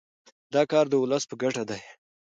دا کار د ولس په ګټه دی.